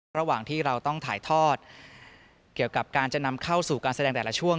ระหว่างที่เราต้องถ่ายทอดเกี่ยวกับการจะนำเข้าสู่การแสดงแต่ละช่วง